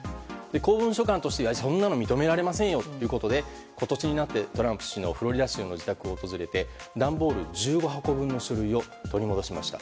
公文書館としてはそんなの認められませんよということで今年になってトランプさんのフロリダ州の自宅を訪れて段ボール１５箱分の書類を取り戻しました。